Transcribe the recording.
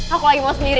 aku lagi mau sendiri